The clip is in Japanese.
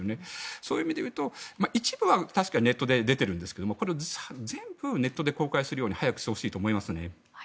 そういう意味で言うと一部は確かにネットで出ているんですが全部ネットで公開するように早くしてほしいと思いますね。